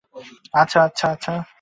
আচ্ছা - আচ্ছা।